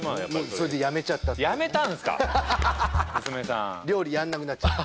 それでやめちゃったやめたんすか娘さん料理やんなくなっちゃった